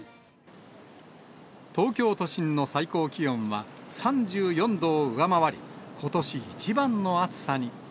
東京都心の最高気温は３４度を上回り、ことし一番の暑さに。